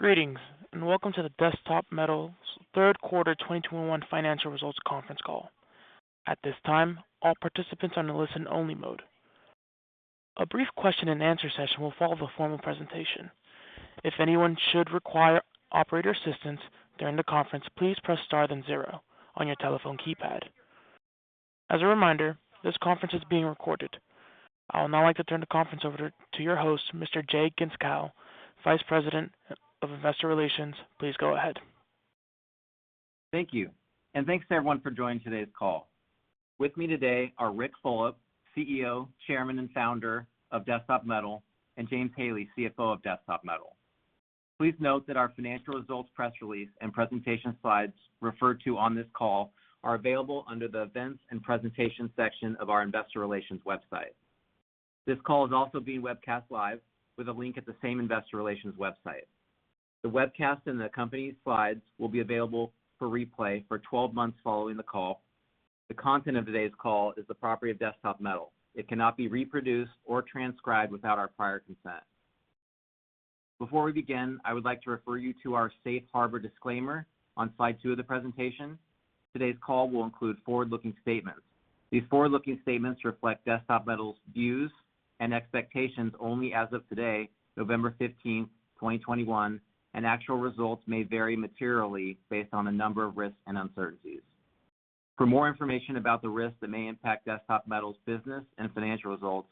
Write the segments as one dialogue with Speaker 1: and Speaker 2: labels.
Speaker 1: Greetings, and welcome to Desktop Metal's third quarter 2021 financial results conference call. At this time, all participants are in a listen-only mode. A brief question and answer session will follow the formal presentation. If anyone should require operator assistance during the conference, please press star then zero on your telephone keypad. As a reminder, this conference is being recorded. I would now like to turn the conference over to your host, Mr. Jay Gentzkow, Vice President of Investor Relations. Please go ahead.
Speaker 2: Thank you, and thanks to everyone for joining today's call. With me today are Ric Fulop, CEO, Chairman, and Founder of Desktop Metal, and James Haley, CFO of Desktop Metal. Please note that our financial results press release and presentation slides referred to on this call are available under the Events and Presentation section of our investor relations website. This call is also being webcast live with a link at the same investor relations website. The webcast and the company slides will be available for replay for 12 months following the call. The content of today's call is the property of Desktop Metal. It cannot be reproduced or transcribed without our prior consent. Before we begin, I would like to refer you to our safe harbor disclaimer on slide two of the presentation. Today's call will include forward-looking statements. These forward-looking statements reflect Desktop Metal's views and expectations only as of today, November 15, 2021, and actual results may vary materially based on a number of risks and uncertainties. For more information about the risks that may impact Desktop Metal's business and financial results,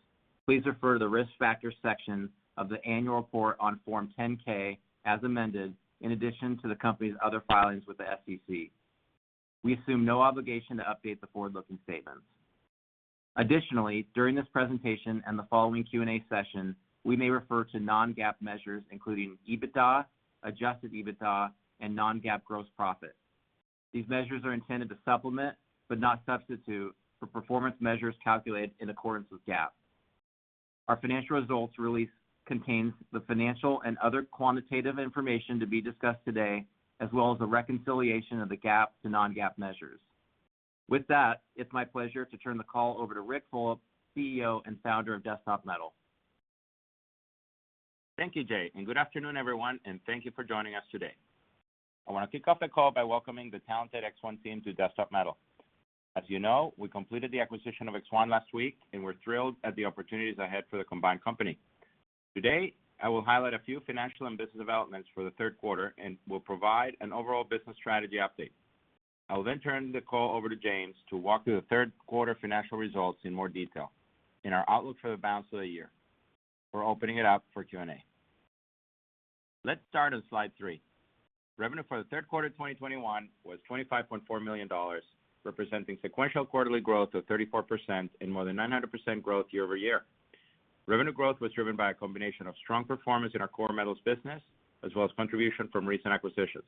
Speaker 2: please refer to the Risk Factors section of the annual report on Form 10-K as amended, in addition to the company's other filings with the SEC. We assume no obligation to update the forward-looking statements. Additionally, during this presentation and the following Q&A session, we may refer to non-GAAP measures, including EBITDA, adjusted EBITDA, and non-GAAP gross profit. These measures are intended to supplement, but not substitute, for performance measures calculated in accordance with GAAP. Our financial results release contains the financial and other quantitative information to be discussed today, as well as the reconciliation of the GAAP to non-GAAP measures. With that, it's my pleasure to turn the call over to Ric Fulop, CEO and Founder of Desktop Metal.
Speaker 3: Thank you, Jay, and good afternoon, everyone, and thank you for joining us today. I want to kick off the call by welcoming the talented ExOne team to Desktop Metal. As you know, we completed the acquisition of ExOne last week, and we're thrilled at the opportunities ahead for the combined company. Today, I will highlight a few financial and business developments for the third quarter and will provide an overall business strategy update. I will then turn the call over to James to walk through the third quarter financial results in more detail and our outlook for the balance of the year. We're opening it up for Q&A. Let's start on slide three. Revenue for the third quarter of 2021 was $25.4 million, representing sequential quarterly growth of 34% and more than 900% growth year-over-year. Revenue growth was driven by a combination of strong performance in our core metals business as well as contribution from recent acquisitions.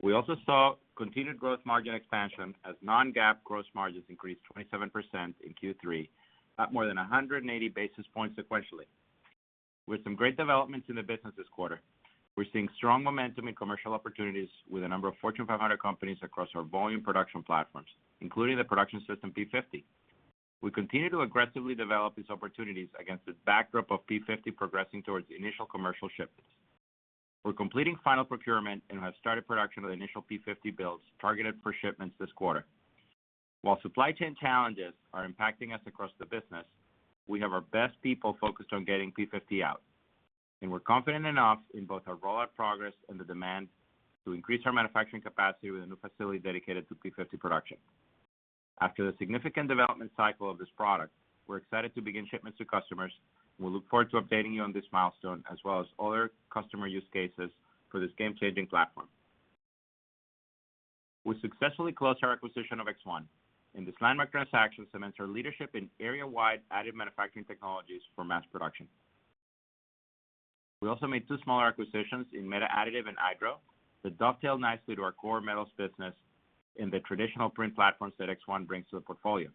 Speaker 3: We also saw continued growth margin expansion as non-GAAP gross margins increased 27% in Q3 at more than 180 basis points sequentially. With some great developments in the business this quarter, we're seeing strong momentum in commercial opportunities with a number of Fortune 500 companies across our volume production platforms, including the Production System P-50. We continue to aggressively develop these opportunities against this backdrop of P-50 progressing towards initial commercial shipments. We're completing final procurement and have started production of the initial P-50 builds targeted for shipments this quarter. While supply chain challenges are impacting us across the business, we have our best people focused on getting P50 out, and we're confident enough in both our rollout progress and the demand to increase our manufacturing capacity with a new facility dedicated to P50 production. After the significant development cycle of this product, we're excited to begin shipments to customers. We look forward to updating you on this milestone as well as other customer use cases for this game-changing platform. We successfully closed our acquisition of ExOne, and this landmark transaction cements our leadership in area-wide additive manufacturing technologies for mass production. We also made two smaller acquisitions in Meta Additive and Aidro that dovetail nicely to our core metals business in the traditional print platforms that ExOne brings to the portfolio.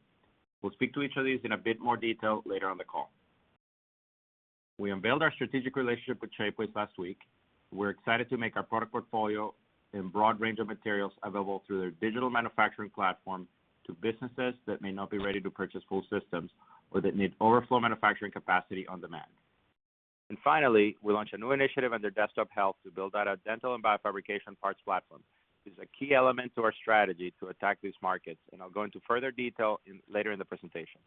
Speaker 3: We'll speak to each of these in a bit more detail later on the call. We unveiled our strategic relationship with Shapeways last week. We're excited to make our product portfolio and broad range of materials available through their digital manufacturing platform to businesses that may not be ready to purchase full systems or that need overflow manufacturing capacity on demand. Finally, we launched a new initiative under Desktop Health to build out our dental and biofabrication parts platform. This is a key element to our strategy to attack these markets, and I'll go into further detail later in the presentation.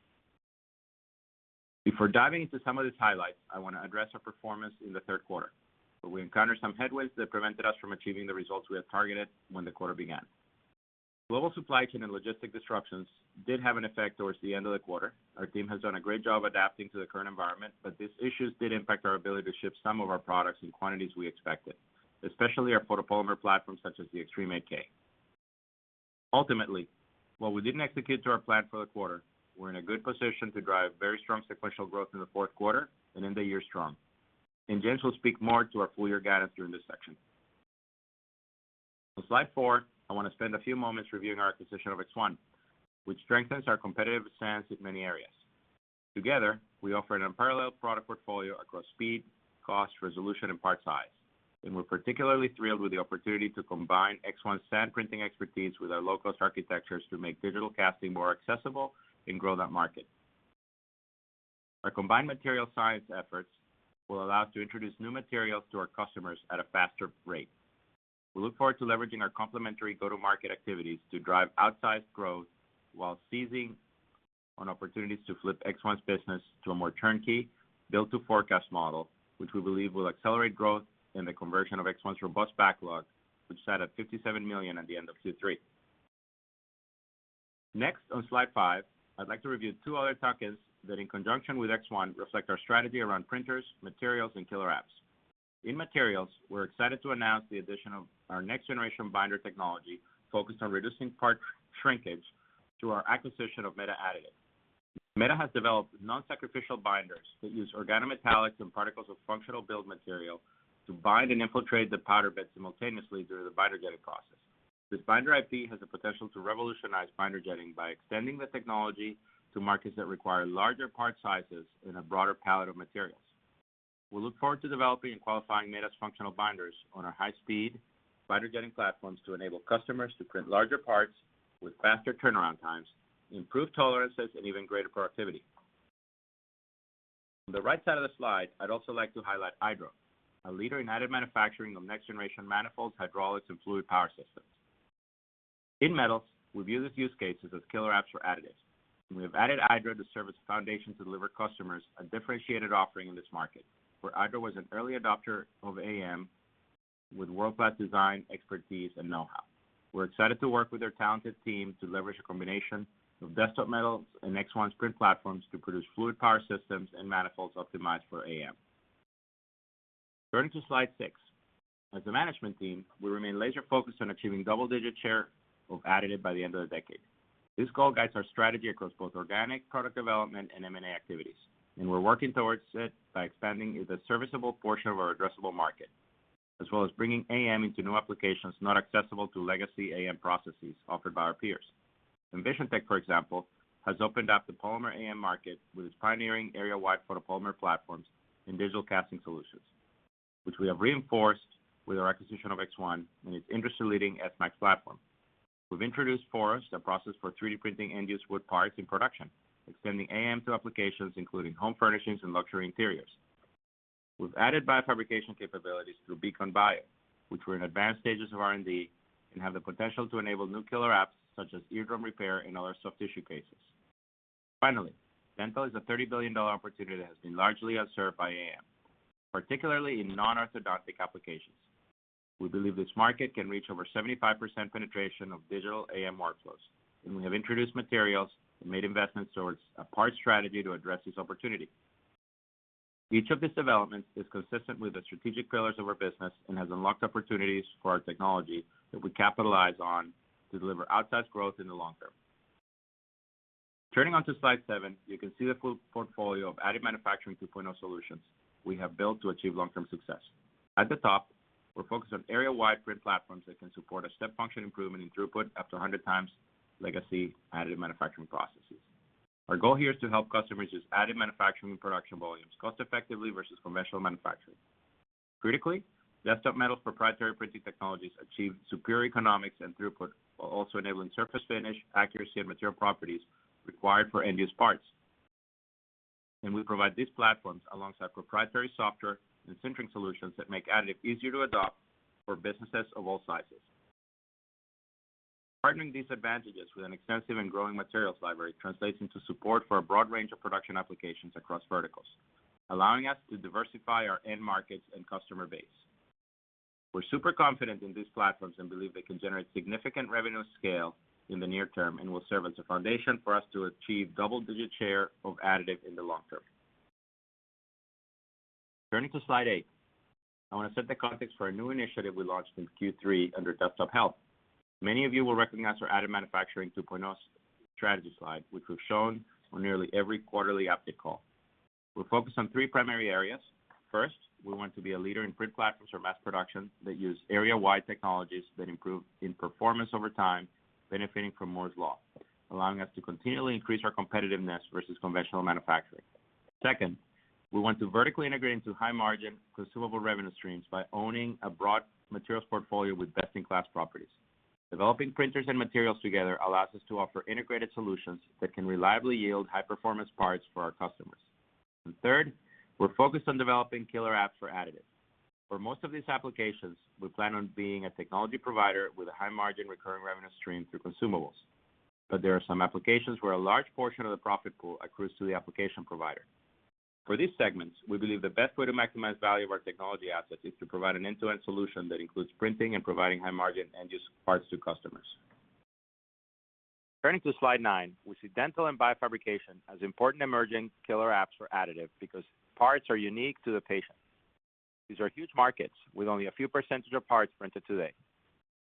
Speaker 3: Before diving into some of these highlights, I want to address our performance in the third quarter, where we encountered some headwinds that prevented us from achieving the results we had targeted when the quarter began. Global supply chain and logistics disruptions did have an effect towards the end of the quarter. Our team has done a great job adapting to the current environment, but these issues did impact our ability to ship some of our products in quantities we expected, especially our photopolymer platform such as the Xtreme 8K. Ultimately, while we didn't execute to our plan for the quarter, we're in a good position to drive very strong sequential growth in the fourth quarter and end the year strong. James will speak more to our full year guidance during this section. On slide four, I want to spend a few moments reviewing our acquisition of ExOne, which strengthens our competitive stance in many areas. Together, we offer an unparalleled product portfolio across speed, cost, resolution, and part size. We're particularly thrilled with the opportunity to combine ExOne's sand printing expertise with our low-cost architectures to make digital casting more accessible and grow that market. Our combined material science efforts will allow us to introduce new materials to our customers at a faster rate. We look forward to leveraging our complementary go-to-market activities to drive outsized growth while seizing on opportunities to flip ExOne's business to a more turnkey, built-to-forecast model, which we believe will accelerate growth in the conversion of ExOne's robust backlog, which sat at $57 million at the end of Q3. Next, on slide five, I'd like to review two other topics that, in conjunction with ExOne, reflect our strategy around printers, materials, and killer apps. In materials, we're excited to announce the addition of our next-generation binder technology focused on reducing part shrinkage through our acquisition of Meta Additive. Meta Additive has developed non-sacrificial binders that use organometallics and particles of functional build material to bind and infiltrate the powder bed simultaneously through the binder jetting process. This binder IP has the potential to revolutionize binder jetting by extending the technology to markets that require larger part sizes and a broader palette of materials. We look forward to developing and qualifying Meta Additive's functional binders on our high-speed binder jetting platforms to enable customers to print larger parts with faster turnaround times, improved tolerances, and even greater productivity. On the right side of the slide, I'd also like to highlight Aidro, a leader in additive manufacturing of next-generation manifolds, hydraulics, and fluid power systems. In metals, we view these use cases as killer apps for additives, and we have added Aidro to serve as the foundation to deliver customers a differentiated offering in this market, where Aidro was an early adopter of AM with world-class design, expertise, and know-how. We're excited to work with their talented team to leverage a combination of Desktop Metal and ExOne's print platforms to produce fluid power systems and manifolds optimized for AM. Turning to slide six. As a management team, we remain laser-focused on achieving double-digit share of additive by the end of the decade. This goal guides our strategy across both organic product development and M&A activities, and we're working towards it by expanding the serviceable portion of our addressable market, as well as bringing AM into new applications not accessible to legacy AM processes offered by our peers. EnvisionTEC, for example, has opened up the polymer AM market with its pioneering area-wide photopolymer platforms and digital casting solutions, which we have reinforced with our acquisition of ExOne and its industry-leading S-Max platform. We've introduced Forust, a process for 3D printing end-use wood parts in production, extending AM to applications including home furnishings and luxury interiors. We've added biofabrication capabilities through Beacon Bio, which we're in advanced stages of R&D and have the potential to enable new killer apps such as eardrum repair and other soft tissue cases. Finally, dental is a $30 billion opportunity that has been largely unserved by AM, particularly in non-orthodontic applications. We believe this market can reach over 75% penetration of digital AM workflows, and we have introduced materials and made investments towards a part strategy to address this opportunity. Each of these developments is consistent with the strategic pillars of our business and has unlocked opportunities for our technology that we capitalize on to deliver outsized growth in the long term. Turning to slide seven, you can see the full portfolio of Additive Manufacturing 2.0 solutions we have built to achieve long-term success. At the top, we're focused on area-wide print platforms that can support a step function improvement in throughput up to 100 times legacy additive manufacturing processes. Our goal here is to help customers use additive manufacturing production volumes cost-effectively versus conventional manufacturing. Critically, Desktop Metal's proprietary printing technologies achieve superior economics and throughput while also enabling surface finish, accuracy, and material properties required for end-use parts. We provide these platforms alongside proprietary software and sintering solutions that make additive easier to adopt for businesses of all sizes. Partnering these advantages with an extensive and growing materials library translates into support for a broad range of production applications across verticals, allowing us to diversify our end markets and customer base. We're super confident in these platforms and believe they can generate significant revenue scale in the near term and will serve as a foundation for us to achieve double-digit share of additive in the long term. Turning to slide eight. I want to set the context for a new initiative we launched in Q3 under Desktop Health. Many of you will recognize our Additive Manufacturing 2.0 strategy slide, which we've shown on nearly every quarterly earnings call. We're focused on three primary areas. First, we want to be a leader in print platforms for mass production that use area-wide technologies that improve in performance over time, benefiting from Moore's Law, allowing us to continually increase our competitiveness versus conventional manufacturing. Second, we want to vertically integrate into high-margin consumable revenue streams by owning a broad materials portfolio with best-in-class properties. Developing printers and materials together allows us to offer integrated solutions that can reliably yield high-performance parts for our customers. Third, we're focused on developing killer apps for additive. For most of these applications, we plan on being a technology provider with a high margin recurring revenue stream through consumables. There are some applications where a large portion of the profit pool accrues to the application provider. For these segments, we believe the best way to maximize value of our technology assets is to provide an end-to-end solution that includes printing and providing high-margin end-use parts to customers. Turning to slide nine, we see dental and biofabrication as important emerging killer apps for additive because parts are unique to the patient. These are huge markets with only a few% of parts printed today.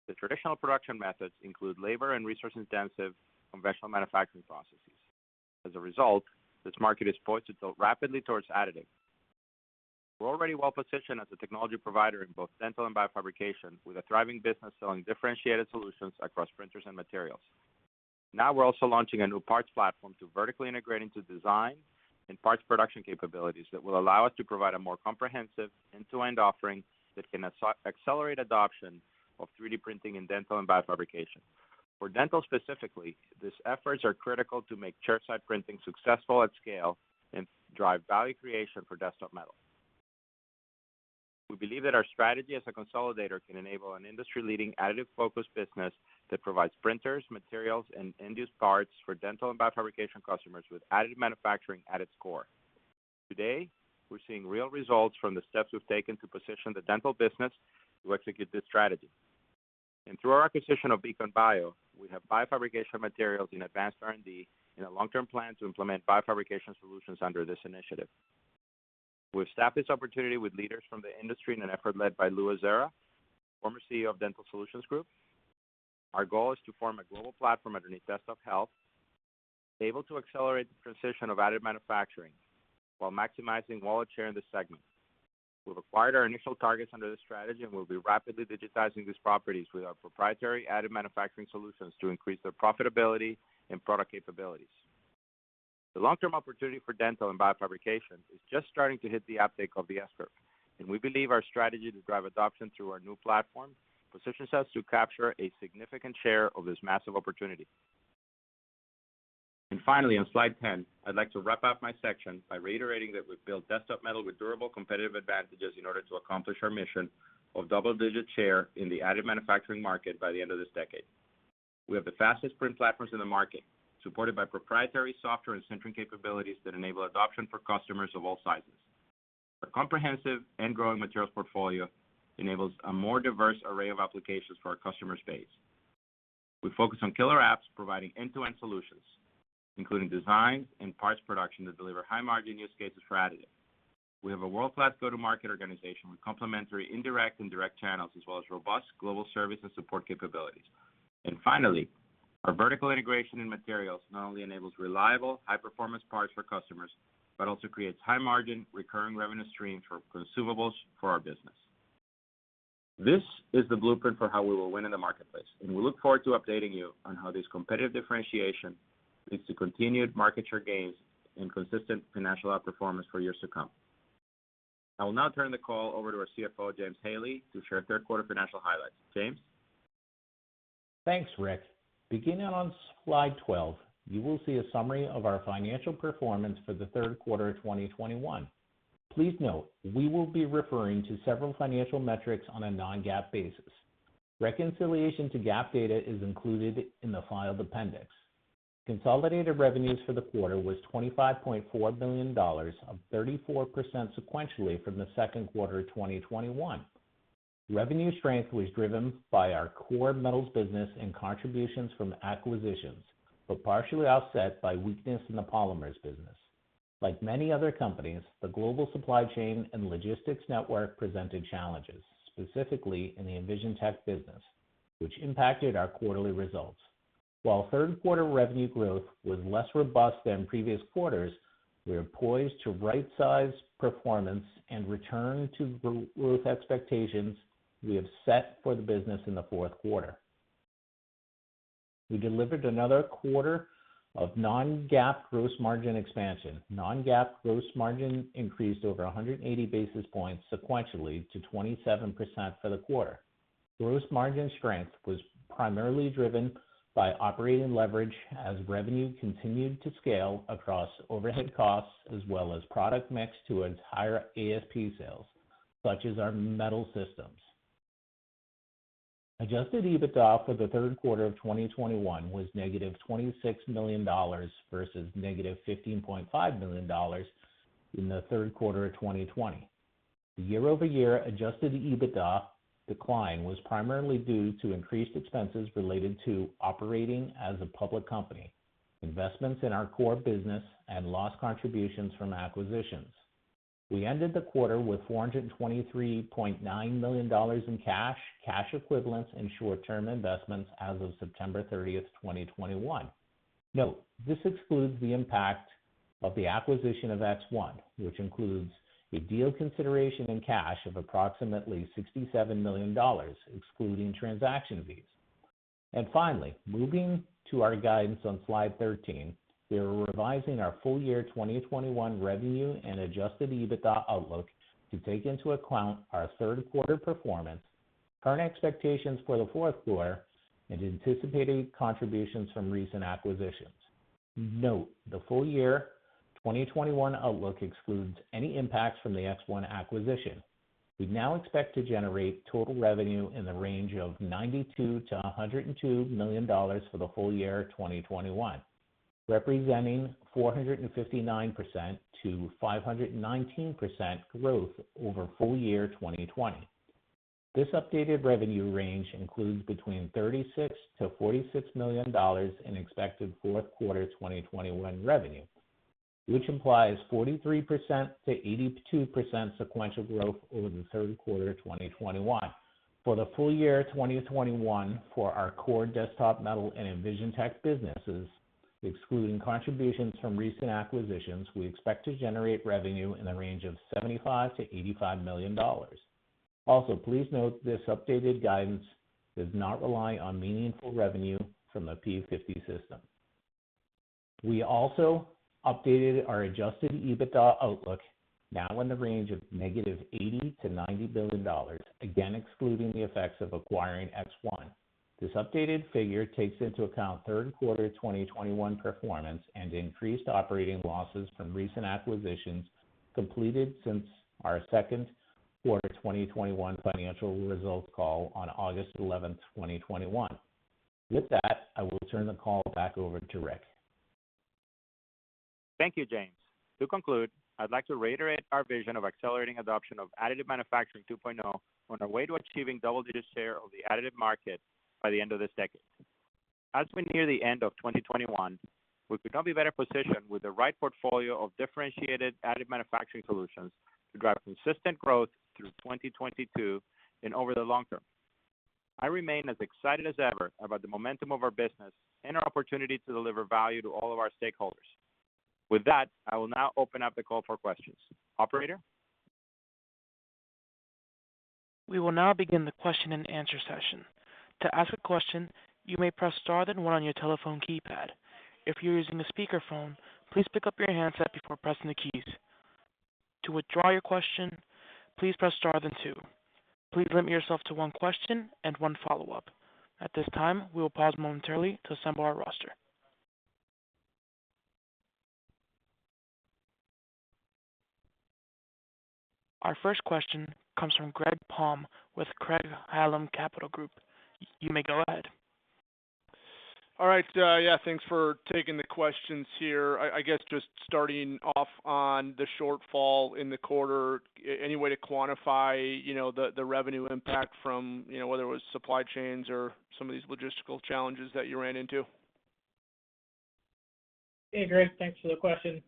Speaker 3: The traditional production methods include labor and resource-intensive conventional manufacturing processes. As a result, this market is poised to tilt rapidly towards additive. We're already well-positioned as a technology provider in both dental and biofabrication with a thriving business selling differentiated solutions across printers and materials. Now we're also launching a new parts platform to vertically integrate into design and parts production capabilities that will allow us to provide a more comprehensive end-to-end offering that can accelerate adoption of 3D printing in dental and biofabrication. For dental specifically, these efforts are critical to make chairside printing successful at scale and drive value creation for Desktop Metal. We believe that our strategy as a consolidator can enable an industry-leading additive-focused business that provides printers, materials, and end-use parts for dental and biofabrication customers with additive manufacturing at its core. Today, we're seeing real results from the steps we've taken to position the dental business to execute this strategy. Through our acquisition of Beacon Bio, we have biofabrication materials in advanced R&D and a long-term plan to implement biofabrication solutions under this initiative. We've staffed this opportunity with leaders from the industry in an effort led by Lou Azzara, former CEO of Dental Solutions Group. Our goal is to form a global platform underneath Desktop Health, able to accelerate the transition of additive manufacturing while maximizing wallet share in this segment. We've acquired our initial targets under this strategy, and we'll be rapidly digitizing these properties with our proprietary additive manufacturing solutions to increase their profitability and product capabilities. The long-term opportunity for dental and biofabrication is just starting to hit the uptake of the S-curve, and we believe our strategy to drive adoption through our new platform positions us to capture a significant share of this massive opportunity. Finally, on slide 10, I'd like to wrap up my section by reiterating that we've built Desktop Metal with durable competitive advantages in order to accomplish our mission of double-digit share in the additive manufacturing market by the end of this decade. We have the fastest print platforms in the market, supported by proprietary software and sintering capabilities that enable adoption for customers of all sizes. Our comprehensive and growing materials portfolio enables a more diverse array of applications for our customer base. We focus on killer apps, providing end-to-end solutions, including design and parts production that deliver high-margin use cases for additive. We have a world-class go-to-market organization with complementary indirect and direct channels, as well as robust global service and support capabilities. Finally, our vertical integration in materials not only enables reliable high-performance parts for customers, but also creates high-margin, recurring revenue stream for consumables for our business. This is the blueprint for how we will win in the marketplace, and we look forward to updating you on how this competitive differentiation leads to continued market share gains and consistent financial outperformance for years to come. I will now turn the call over to our CFO, James Haley, to share third quarter financial highlights. James?
Speaker 4: Thanks, Ric. Beginning on slide 12, you will see a summary of our financial performance for the third quarter of 2021. Please note, we will be referring to several financial metrics on a non-GAAP basis. Reconciliation to GAAP data is included in the filed appendix. Consolidated revenues for the quarter was $25.4 million up 34% sequentially from the second quarter of 2021. Revenue strength was driven by our core metals business and contributions from acquisitions, but partially offset by weakness in the polymers business. Like many other companies, the global supply chain and logistics network presented challenges, specifically in the EnvisionTEC business, which impacted our quarterly results. While third quarter revenue growth was less robust than previous quarters, we are poised to right-size performance and return to growth expectations we have set for the business in the fourth quarter. We delivered another quarter of non-GAAP gross margin expansion. Non-GAAP gross margin increased over 180 basis points sequentially to 27% for the quarter. Gross margin strength was primarily driven by operating leverage as revenue continued to scale across overhead costs as well as product mix toward higher ASP sales, such as our metal systems. Adjusted EBITDA for the third quarter of 2021 was -$26 million versus -$15.5 million in the third quarter of 2020. The year-over-year adjusted EBITDA decline was primarily due to increased expenses related to operating as a public company, investments in our core business, and loss contributions from acquisitions. We ended the quarter with $423.9 million in cash equivalents, and short-term investments as of September 30th, 2021. Note, this excludes the impact of the acquisition of ExOne, which includes a deal consideration in cash of approximately $67 million, excluding transaction fees. Finally, moving to our guidance on slide 13, we are revising our full year 2021 revenue and adjusted EBITDA outlook to take into account our third quarter performance, current expectations for the fourth quarter, and anticipating contributions from recent acquisitions. Note, the full year 2021 outlook excludes any impacts from the ExOne acquisition. We now expect to generate total revenue in the range of $92 million-$102 million for the full year 2021, representing 459%-519% growth over full year 2020. This updated revenue range includes between $36 million-$46 million in expected fourth quarter 2021 revenue, which implies 43%-82% sequential growth over the third quarter 2021. For the full year 2021 for our core Desktop Metal and EnvisionTEC businesses, excluding contributions from recent acquisitions, we expect to generate revenue in the range of $75 million-$85 million. Also, please note this updated guidance does not rely on meaningful revenue from the P50 system. We also updated our adjusted EBITDA outlook, now in the range of negative $80 million to negative $90 million, again excluding the effects of acquiring ExOne. This updated figure takes into account third quarter 2021 performance and increased operating losses from recent acquisitions completed since our second quarter 2021 financial results call on August 11, 2021. With that, I will turn the call back over to Ric.
Speaker 3: Thank you, James. To conclude, I'd like to reiterate our vision of accelerating adoption of Additive Manufacturing 2.0 on our way to achieving double-digit share of the additive market by the end of this decade. As we near the end of 2021, we could not be better positioned with the right portfolio of differentiated additive manufacturing solutions to drive consistent growth through 2022 and over the long term. I remain as excited as ever about the momentum of our business and our opportunity to deliver value to all of our stakeholders. With that, I will now open up the call for questions. Operator?
Speaker 1: We will now begin the question and answer session. To ask a question, you may press star then one on your telephone keypad. If you're using a speakerphone, please pick up your handset before pressing the keys. To withdraw your question, please press star then two. Please limit yourself to one question and one follow-up. At this time, we will pause momentarily to assemble our roster. Our first question comes from Greg Palm with Craig-Hallum Capital Group. You may go ahead.
Speaker 5: All right, yeah, thanks for taking the questions here. I guess just starting off on the shortfall in the quarter, any way to quantify, you know, the revenue impact from, you know, whether it was supply chains or some of these logistical challenges that you ran into?
Speaker 4: Hey, Greg, thanks for the question.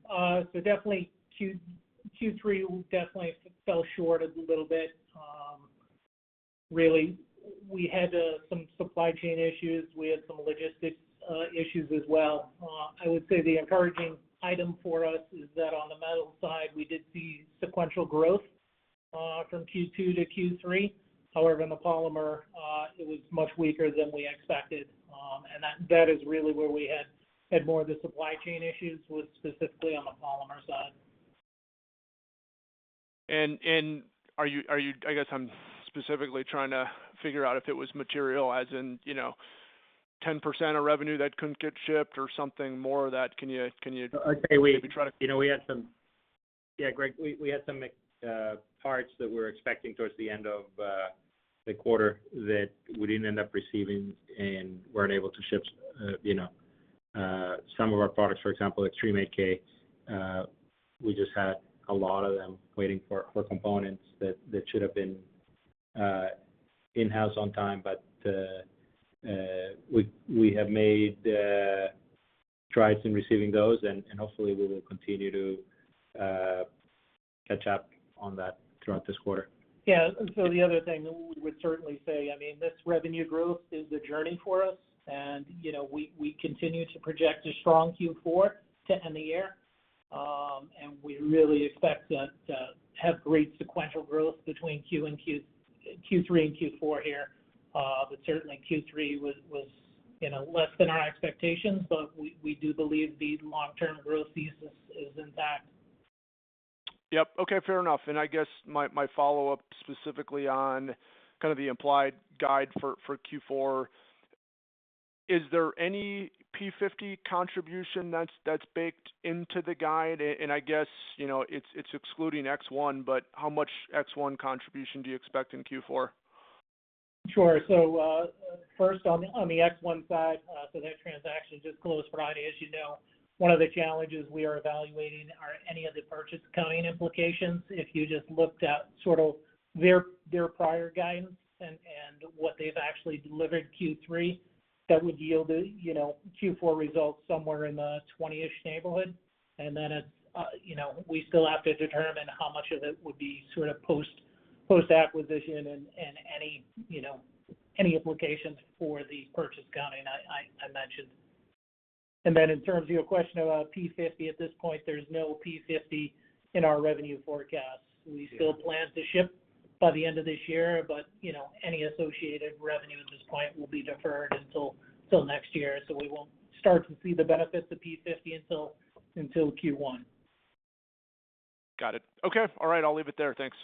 Speaker 4: So definitely Q3 fell short a little bit, really. We had some supply chain issues. We had some logistics issues as well. I would say the encouraging item for us is that on the metal side, we did see sequential growth from Q2 to Q3. However, in the polymer, it was much weaker than we expected. That is really where we had more of the supply chain issues, was specifically on the polymer side.
Speaker 5: Are you I guess I'm specifically trying to figure out if it was material as in, you know, 10% of revenue that couldn't get shipped or something more of that. Can you
Speaker 3: I'd say we.
Speaker 5: Maybe try to-
Speaker 3: You know, we had some. Yeah, Greg, we had some parts that we were expecting towards the end of the quarter that we didn't end up receiving and weren't able to ship, you know. Some of our products, for example, Xtreme 8K, we just had a lot of them waiting for components that should have been in-house on time. We have made strides in receiving those, and hopefully we will continue to catch up on that throughout this quarter.
Speaker 4: The other thing we would certainly say, I mean, this revenue growth is a journey for us and, you know, we continue to project a strong Q4 to end the year. We really expect to have great sequential growth between Q3 and Q4 here. Certainly Q3 was, you know, less than our expectations, but we do believe the long-term growth thesis is intact.
Speaker 5: Yep. Okay, fair enough. I guess my follow-up specifically on kind of the implied guide for Q4, is there any P50 contribution that's baked into the guide? I guess, you know, it's excluding ExOne, but how much ExOne contribution do you expect in Q4?
Speaker 4: Sure. First on the ExOne side, that transaction just closed Friday, as you know. One of the challenges we are evaluating are any of the purchase accounting implications. If you just looked at sort of their prior guidance and what they've actually delivered Q3, that would yield a Q4 result somewhere in the 20-ish neighborhood. We still have to determine how much of it would be sort of post-acquisition and any implications for the purchase accounting I mentioned. In terms of your question about P50, at this point, there's no P50 in our revenue forecast. We still plan to ship by the end of this year, but any associated revenue at this point will be deferred until next year. We won't start to see the benefits of P-50 until Q1.
Speaker 5: Got it. Okay. All right, I'll leave it there. Thanks.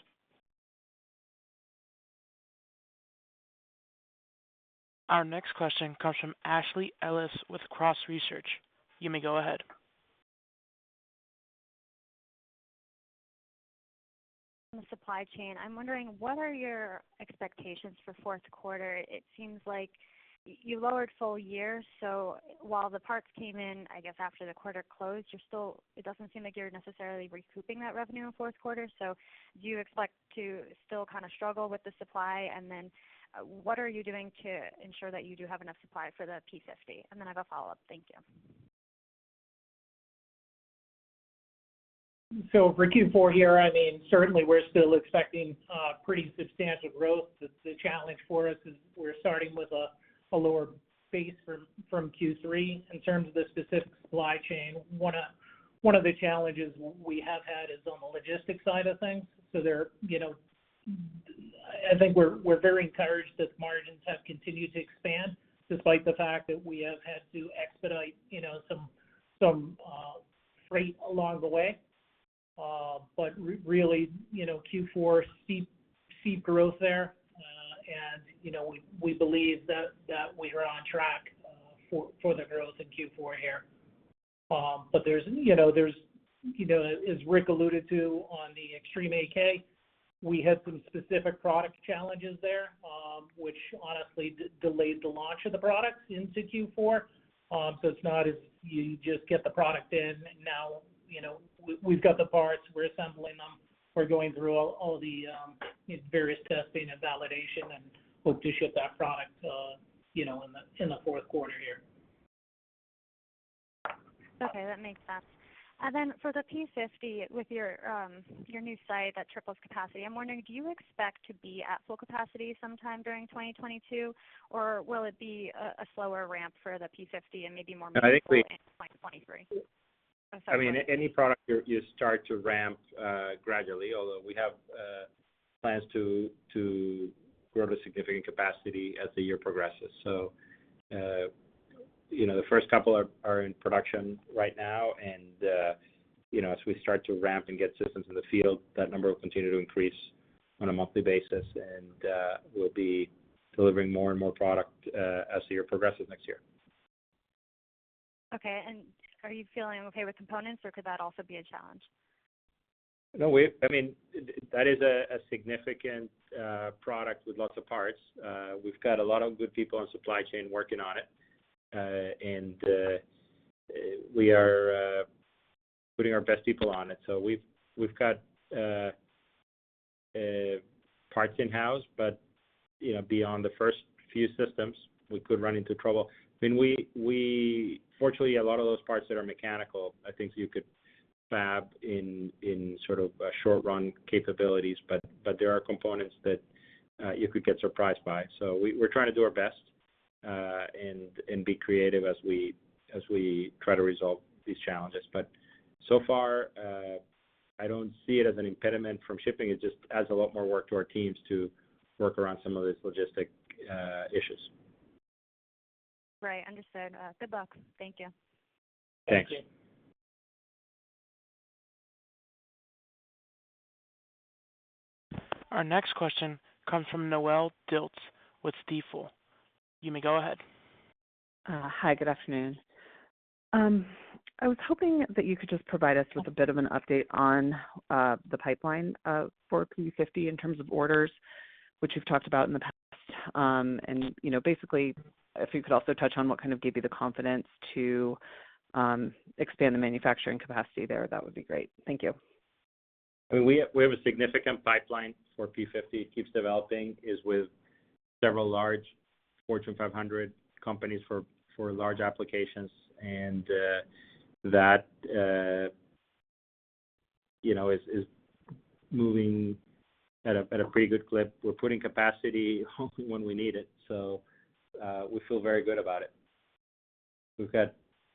Speaker 1: Our next question comes from Ashley Ellis with Cross Research. You may go ahead.
Speaker 6: The supply chain. I'm wondering what are your expectations for fourth quarter? It seems like you lowered full year, so while the parts came in, I guess, after the quarter closed, you're still. It doesn't seem like you're necessarily recouping that revenue in fourth quarter. Do you expect to still kind of struggle with the supply? And then what are you doing to ensure that you do have enough supply for the P-50? And then I have a follow-up. Thank you.
Speaker 4: For Q4 here, I mean, certainly we're still expecting pretty substantial growth. The challenge for us is we're starting with a lower base from Q3. In terms of the specific supply chain, one of the challenges we have had is on the logistics side of things. You know, I think we're very encouraged that margins have continued to expand despite the fact that we have had to expedite, you know, some freight along the way. But really, you know, Q4, we see growth there. And, you know, we believe that we are on track for the growth in Q4 here. But there's, you know, there's. You know, as Ric alluded to on the Xtreme 8K, we had some specific product challenges there, which honestly delayed the launch of the product into Q4. It's not as you just get the product in. Now, you know, we've got the parts, we're assembling them. We're going through all its various testing and validation, and hope to ship that product, you know, in the fourth quarter here.
Speaker 6: Okay, that makes sense. For the P-50 with your new site that triples capacity, I'm wondering, do you expect to be at full capacity sometime during 2022, or will it be a slower ramp for the P-50 and maybe more meaningful.
Speaker 3: I think we-
Speaker 6: In 2023? I'm sorry.
Speaker 3: I mean, any product you start to ramp gradually, although we have plans to grow the significant capacity as the year progresses. You know, the first couple are in production right now. You know, as we start to ramp and get systems in the field, that number will continue to increase on a monthly basis, and we'll be delivering more and more product as the year progresses next year.
Speaker 6: Okay. Are you feeling okay with components, or could that also be a challenge?
Speaker 3: No, I mean, that is a significant product with lots of parts. We've got a lot of good people on supply chain working on it and we are putting our best people on it. We've got parts in-house, but you know, beyond the first few systems, we could run into trouble. I mean, fortunately, a lot of those parts that are mechanical, I think you could fab in sort of short run capabilities, but there are components that you could get surprised by. We're trying to do our best and be creative as we try to resolve these challenges. So far, I don't see it as an impediment to shipping. It just adds a lot more work to our teams to work around some of these logistical issues.
Speaker 6: Right. Understood. Good luck. Thank you.
Speaker 3: Thanks.
Speaker 6: Thank you.
Speaker 1: Our next question comes from Noelle Dilts with Stifel. You may go ahead.
Speaker 7: Hi. Good afternoon. I was hoping that you could just provide us with a bit of an update on the pipeline for P-50 in terms of orders, which you've talked about in the past. You know, basically if you could also touch on what kind of gave you the confidence to expand the manufacturing capacity there, that would be great. Thank you.
Speaker 3: I mean, we have a significant pipeline for P-50. It keeps developing. It's with several large Fortune 500 companies for large applications. That you know is moving at a pretty good clip. We're putting capacity only when we need it, so we feel very good about it. We've got-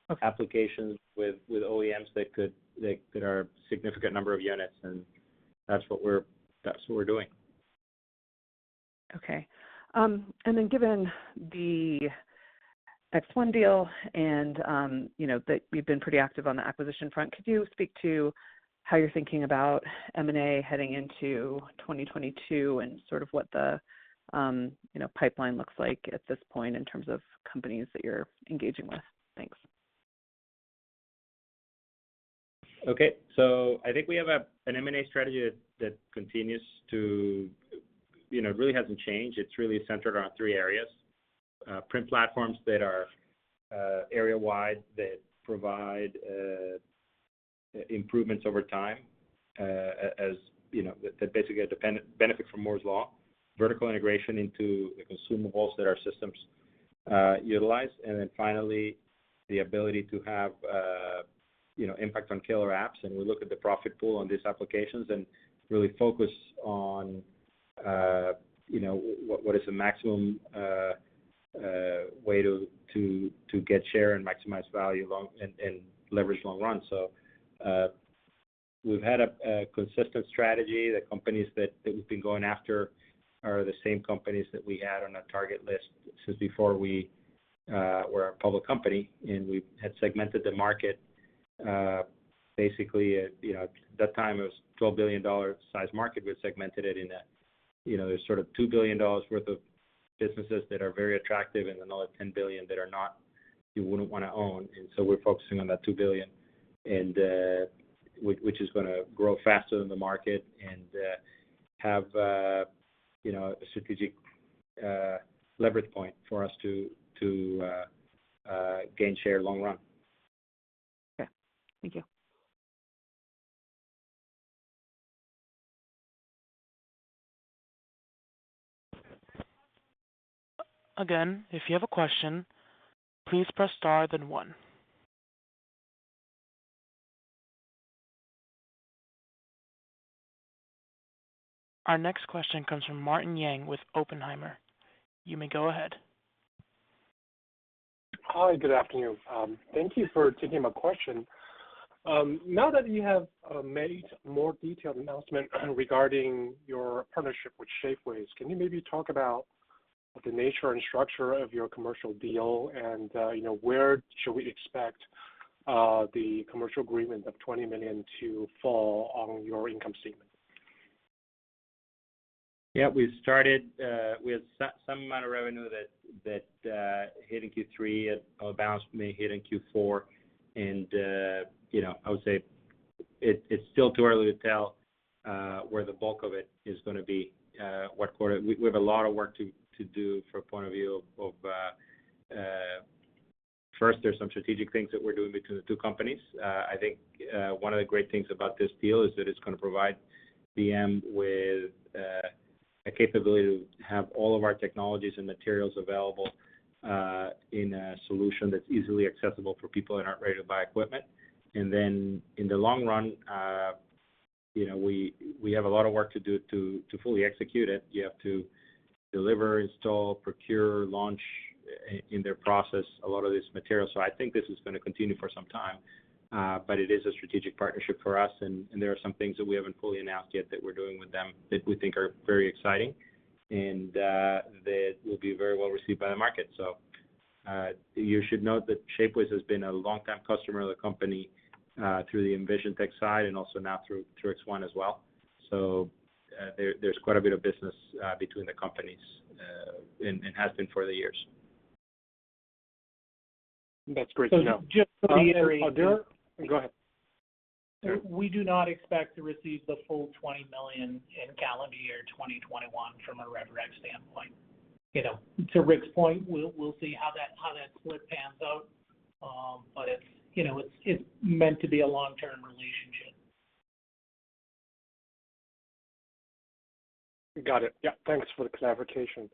Speaker 7: Okay.
Speaker 3: Applications with OEMs that are a significant number of units, and that's what we're doing.
Speaker 7: Okay. Given the ExOne deal and, you know, that you've been pretty active on the acquisition front, could you speak to how you're thinking about M&A heading into 2022 and sort of what the, you know, pipeline looks like at this point in terms of companies that you're engaging with? Thanks.
Speaker 3: Okay. I think we have an M&A strategy that continues to, you know, really hasn't changed. It's really centered around three areas. Print platforms that are area-wide that provide improvements over time, as you know, that basically benefit from Moore's Law. Vertical integration into the consumables that our systems utilize. And then finally, the ability to have, you know, impact on killer apps, and we look at the profit pool on these applications and really focus on, you know, what is the maximum way to get share and maximize value long and leverage long run. We've had a consistent strategy. The companies that we've been going after are the same companies that we had on our target list since before we were a public company, and we had segmented the market, basically at, you know, at that time, it was $12 billion size market. We segmented it in that, you know, there's sort of $2 billion worth of businesses that are very attractive and another $10 billion that are not, you wouldn't wanna own. We're focusing on that $2 billion, which is gonna grow faster than the market and, have, you know, a strategic leverage point for us to gain share long run.
Speaker 7: Okay. Thank you.
Speaker 1: Again, if you have a question, please press star then one. Our next question comes from Martin Yang with Oppenheimer. You may go ahead.
Speaker 8: Hi. Good afternoon. Thank you for taking my question. Now that you have made more detailed announcement regarding your partnership with Shapeways, can you maybe talk about the nature and structure of your commercial deal and, you know, where should we expect the commercial agreement of $20 million to fall on your income statement?
Speaker 3: Yeah. We started with some amount of revenue that hit in Q3. It may hit in Q4. You know, I would say it's still too early to tell where the bulk of it is gonna be, what quarter. We have a lot of work to do from a point of view of, first there's some strategic things that we're doing between the two companies. I think one of the great things about this deal is that it's gonna provide them with a capability to have all of our technologies and materials available in a solution that's easily accessible for people that aren't ready to buy equipment. Then in the long run, you know, we have a lot of work to do to fully execute it. You have to deliver, install, procure, launch in their process a lot of these materials. I think this is gonna continue for some time. It is a strategic partnership for us, and there are some things that we haven't fully announced yet that we're doing with them that we think are very exciting and that will be very well received by the market. You should note that Shapeways has been a longtime customer of the company through the EnvisionTEC side and also now through ExOne as well. There's quite a bit of business between the companies, and has been for the years.
Speaker 8: That's great to know.
Speaker 4: Just to be very clear.
Speaker 8: Go ahead.
Speaker 4: We do not expect to receive the full $20 million in calendar year 2021 from a rev rec standpoint. You know, to Ric's point, we'll see how that split pans out. It's, you know, it's meant to be a long-term relationship.
Speaker 8: Got it. Yeah. Thanks for the clarification.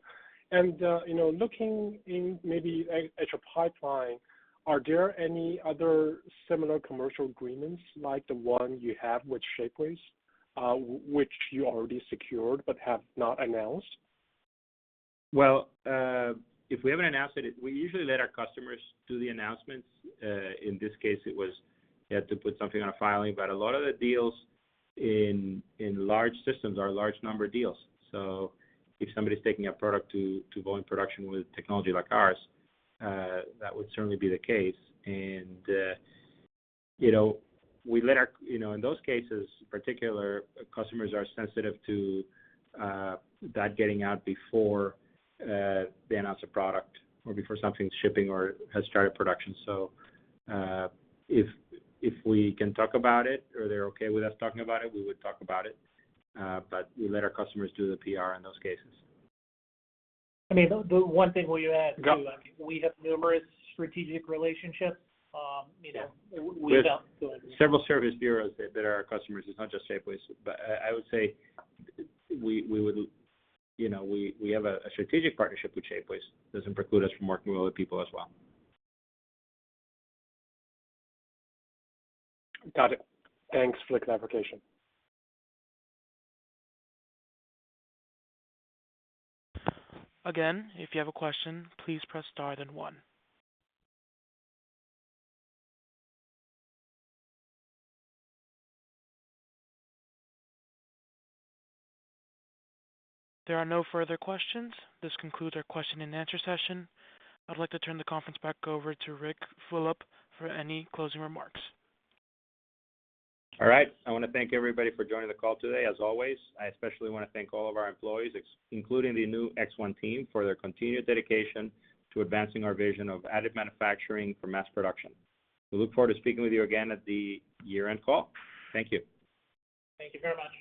Speaker 8: You know, looking, maybe at your pipeline, are there any other similar commercial agreements like the one you have with Shapeways, which you already secured but have not announced?
Speaker 3: Well, if we haven't announced it, we usually let our customers do the announcements. In this case it was they had to put something on a filing. A lot of the deals in large systems are large number deals. If somebody's taking a product to go in production with technology like ours, that would certainly be the case. You know, in those cases particular customers are sensitive to that getting out before they announce a product or before something's shipping or has started production. If we can talk about it or they're okay with us talking about it, we would talk about it. We let our customers do the PR in those cases.
Speaker 4: I mean, the one thing we add, too.
Speaker 3: Go.
Speaker 4: I mean, we have numerous strategic relationships, you know.
Speaker 3: Yeah.
Speaker 4: Go ahead.
Speaker 3: Several service bureaus that are our customers. It's not just Shapeways. I would say we would, you know, we have a strategic partnership with Shapeways. Doesn't preclude us from working with other people as well.
Speaker 8: Got it. Thanks for the clarification.
Speaker 1: Again, if you have a question, please press star then one. There are no further questions. This concludes our question and answer session. I'd like to turn the conference back over to Ric Fulop for any closing remarks.
Speaker 3: All right. I wanna thank everybody for joining the call today, as always. I especially wanna thank all of our employees, including the new ExOne team for their continued dedication to advancing our vision of additive manufacturing for mass production. We look forward to speaking with you again at the year-end call. Thank you.
Speaker 1: Thank you very much.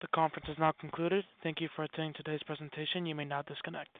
Speaker 1: The conference is now concluded. Thank you for attending today's presentation. You may now disconnect.